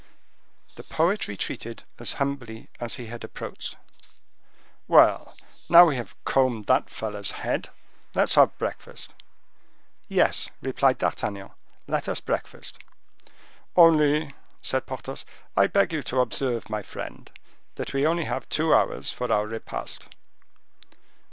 The poet retreated as humbly as he had approached. "Well, now we have combed that fellow's head, let us breakfast." "Yes," replied D'Artagnan, "let us breakfast." "Only," said Porthos, "I beg you to observe, my friend, that we only have two hours for our repast."